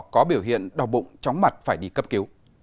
có biểu hiện đau bụng chóng mặt phải đi cấp cứu